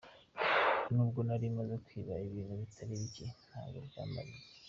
N’ubwo nari maze kwiba ibintu bitari bike, ntacyo byamariye.